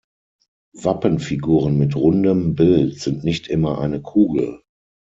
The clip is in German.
Wappenfiguren mit rundem Bild sind nicht immer eine Kugel.